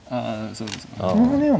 そうですね